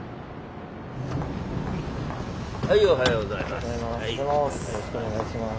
おはようございます。